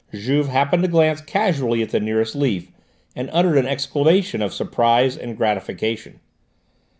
Juve happened to glance casually at the nearest leaf, and uttered an exclamation of surprise and gratification.